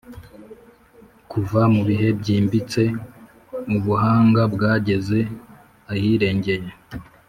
kuva mubihe byimbitse, ubuhanga bwageze ahirengeye